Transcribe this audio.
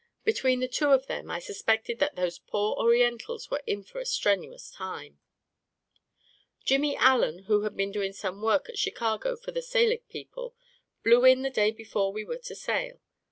Between the two of them, I sus pected that those poor Orientals were in for a strenuous time ! Jimmy Allen, who had been doing some work at Chicago for the Selig people, blew in the day before we were to sail.